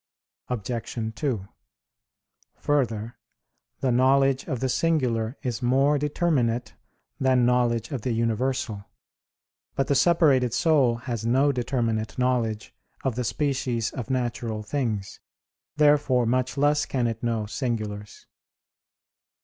Obj. 2: Further, the knowledge of the singular is more determinate than knowledge of the universal. But the separated soul has no determinate knowledge of the species of natural things, therefore much less can it know singulars.